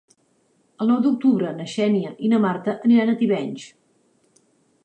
El nou d'octubre na Xènia i na Marta aniran a Tivenys.